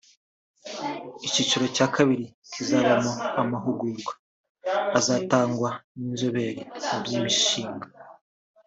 Icyiciro cya kabiri kizabamo amahugurwa azatangwa n’inzobere mu by’imishinga